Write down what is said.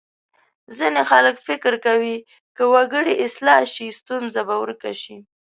ځینې خلک فکر کوي که وګړي اصلاح شي ستونزه به ورکه شي.